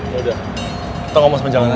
yaudah kita ngomong sepenjalan aja